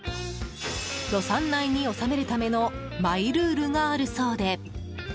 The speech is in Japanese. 予算内に収めるためのマイルールがあるそうで。